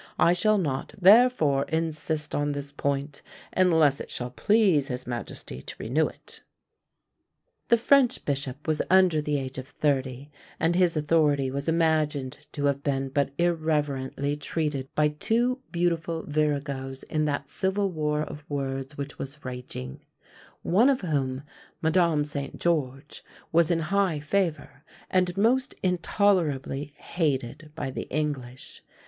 I shall not, therefore, insist on this point, unless it shall please his majesty to renew it." The French bishop was under the age of thirty, and his authority was imagined to have been but irreverently treated by two beautiful viragos in that civil war of words which was raging; one of whom, Madame St. George, was in high favour, and most intolerably hated by the English.